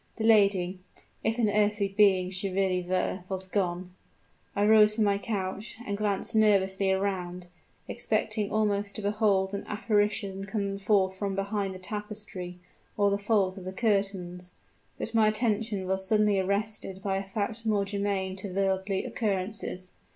The lady if an earthly being she really were was gone. I rose from my couch and glanced nervously around expecting almost to behold an apparition come forth from behind the tapestry, or the folds of the curtains. But my attention was suddenly arrested by a fact more germane to worldly occurrences.